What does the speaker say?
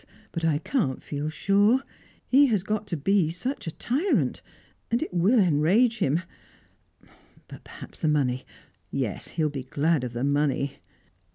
But I can't feel sure. He has got to be such a tyrant, and it will enrage him But perhaps the money Yes, he will be glad of the money."